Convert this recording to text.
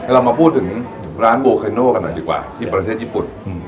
เรามาพูดถึงร้านโบไคโนกันหน่อยดีกว่าที่ประเทศญี่ปุ่น